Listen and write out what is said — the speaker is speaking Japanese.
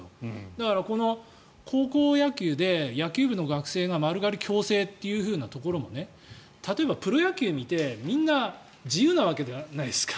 だから、この高校野球で野球部の学生が丸刈り強制というふうなところも例えばプロ野球を見てみんな自由じゃないですか。